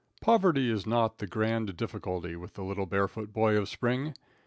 Poverty is not the grand difficulty with the little barefoot boy of spring.